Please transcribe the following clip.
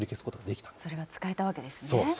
これが使えたわけですね。